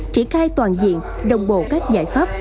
triển khai toàn diện đồng bộ các giải pháp